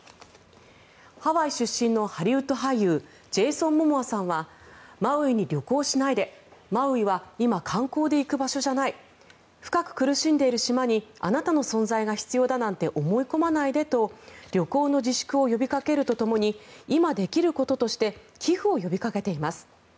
ハワイ出身のハリウッド俳優ジェイソン・モモアさんはマウイに旅行しないでマウイは今観光で行く場所じゃない深く苦しんでいる島にあなたの存在が必要だなんて思い込まないでと旅行の自粛を呼びかけるとともに今できることとして寄付を呼びかけています。